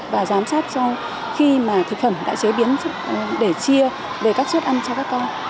và giám sát cho khi mà thực phẩm đã chế biến để chia về các suất ăn cho các con